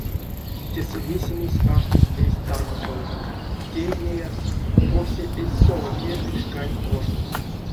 Тесэ весемесь аштесь эсь таркасонзо, тей, неявсь, овсе эзь сова кежей шкань коштось.